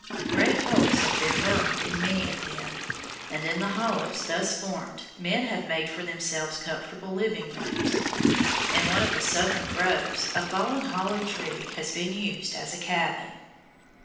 Great holes have been burned in many of them, and in the hollows thus formed men have made for themselves comfortable living rooms. In one of the southern groves a fallen hollow tree has been used as a cabin.